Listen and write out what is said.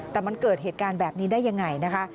แต่มันเกิดเหตุการณ์แบบนี้ได้ยังไงนะคะ